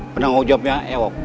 penanggung jobnya ewok